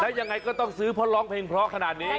ยังไงก็ต้องซื้อเพราะร้องเพลงเพราะขนาดนี้